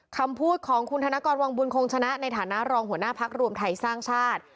คำพูดของคุณธนกรวังบุญคงชนะในฐานะรองหัวหน้าพักรวมไทยสร้างชาติ